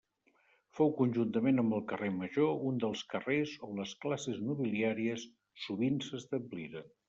Fou conjuntament amb el carrer Major un dels carrers on les classes nobiliàries sovint s'establiren.